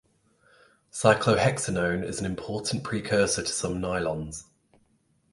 Cyclohexanone is an important precursor to some nylons.